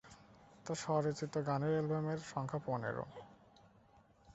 তার স্বরচিত গানের অ্যালবামের সংখ্যা পনেরো।